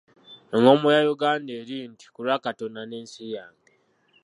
Engombo ya Uganda eri nti ku lwa Katonda n'ensi yange.